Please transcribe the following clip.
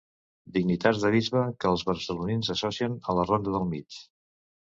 Dignitats de bisbe que els barcelonins associen a la Ronda del Mig.